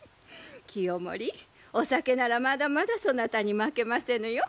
清盛お酒ならまだまだそなたに負けませぬよ。